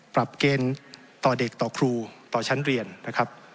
ปรับเกณฑ์ต่อเด็กต่อครูต่อชั้นเรียนนะครับ